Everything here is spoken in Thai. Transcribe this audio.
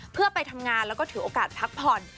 เพื่อไปทำงานแล้วก็ถือโอกาสพักผ่อน